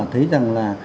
có một cái câu rằng là